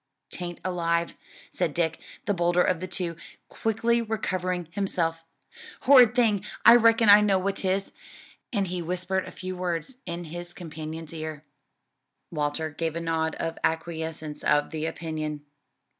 "'Taint alive," said Dick, the bolder of the two, quickly recovering himself; "horrid thing! I reckon I know what 'tis," and he whispered a few words in his companion's ear. Walter gave a nod of acquiescence of the opinion.